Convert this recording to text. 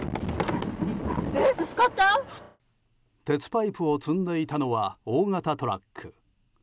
鉄パイプを積んでいたのは大型トラック。